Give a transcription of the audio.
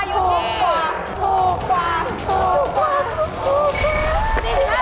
โอ้โฮ